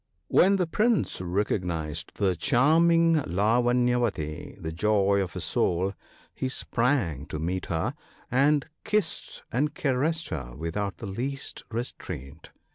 53 When the Prince recognized the charming Lavanyavati — the joy of his soul — he sprang to meet her, and kissed and caressed her without the least restraint.